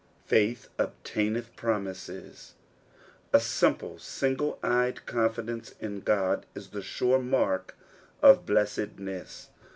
Faith obtaineth promises. A simple Hing1c e;ed confidence in God is the sure mark of blessedneBs.